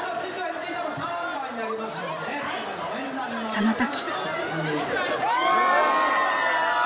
その時。